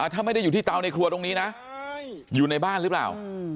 ถ้าไม่ได้อยู่ที่เตาในครัวตรงนี้นะอยู่ในบ้านหรือเปล่า